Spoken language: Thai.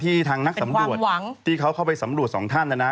ทางนักสำรวจที่เขาเข้าไปสำรวจสองท่านนะนะ